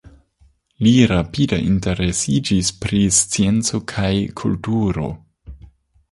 Li rapide interesiĝis pri scienco kaj kulturo.